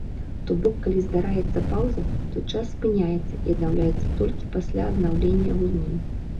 То бок калі здараецца паўза, то час спыняецца і аднаўляецца толькі пасля аднаўлення гульні.